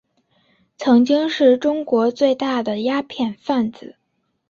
曾经是中国最大的鸦片贩子。